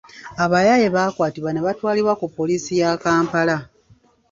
Abayaaye baakwatibwa ne batwalibwa ku poliiisi ya Kampala.